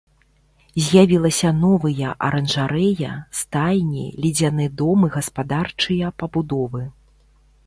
З'явілася новыя аранжарэя, стайні, ледзяны дом і гаспадарчыя пабудовы.